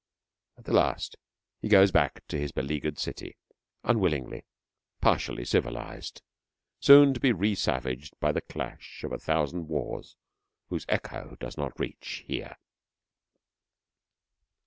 At the last he goes back to his beleaguered city, unwillingly, partially civilised, soon to be resavaged by the clash of a thousand wars whose echo does not reach here.